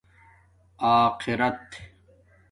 آخرت